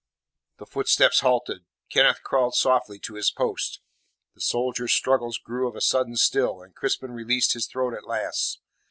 The footsteps halted. Kenneth crawled softly to his post. The soldier's struggles grew of a sudden still, and Crispin released his throat at last.